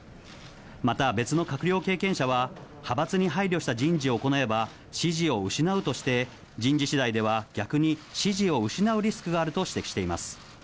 また、別の閣僚経験者は、派閥に配慮した人事を行えば、支持を失うとして、人事しだいでは、逆に支持を失うリスクがあると指摘しています。